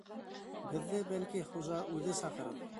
Беҙҙе, бәлки, хужа үҙе саҡырыр.